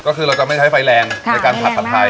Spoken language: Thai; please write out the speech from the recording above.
ก็คือเราจะไม่ใช้ไฟแรงในการผัดผัดไทย